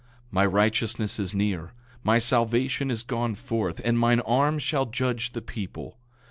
8:5 My righteousness is near; my salvation is gone forth, and mine arm shall judge the people.